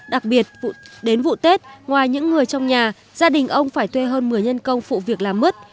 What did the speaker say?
đặc biệt đến vụ tết ngoài những người trong nhà gia đình ông phải thuê hơn một mươi nhân công phụ việc làm mứt